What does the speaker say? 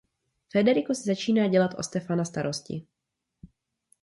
Federico si začíná dělat o Stefana starosti.